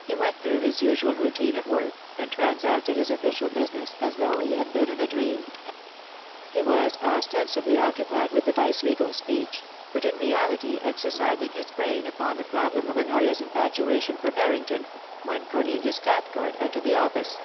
He went through his usual routine of work, and transacted his official business as though he had been in a dream. He was osten sibly occupied with the viceregal speech, but in reality exercising his brain upon the problem of Honoria's infatua tion for Barrington, when Cornelius Cathcart entered the office.